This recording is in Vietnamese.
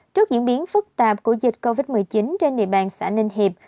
trước diễn biến phức tạp của dịch covid một mươi chín trên địa bàn xã ninh hiệp